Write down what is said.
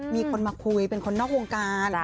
มีคนมาคุยเป็นคนนอกวงการ